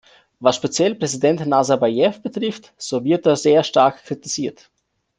Was speziell Präsident Nasarbajew betrifft, so wird er sehr stark kritisiert.